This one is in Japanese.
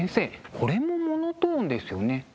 これもモノトーンですよね。